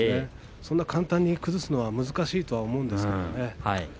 そんな簡単に崩すのは難しいと思うんですね。